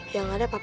ya gak ada apa apa